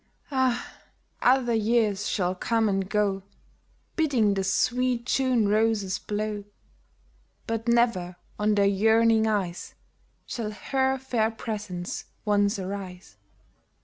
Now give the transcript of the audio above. Ah ! other years shall come and go, Bidding the sweet June roses blow ; But never on their yearning eyes Shall her fair presence once arise